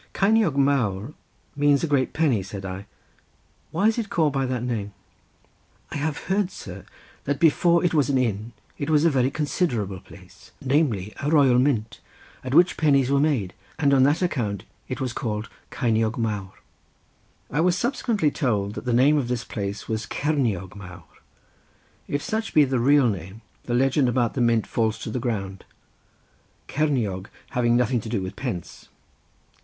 "Ceiniog Mawr means a great penny," said I, "why is it called by that name?" "I have heard, sir, that before it was an inn it was a very considerable place, namely, a royal mint at which pennies were made, and on that account it was called Ceiniog Mawr." I was subsequently told that the name of this place was Cernioge Mawr. If such be the real name the legend about the mint falls to the ground, Cernioge having nothing to do with pence.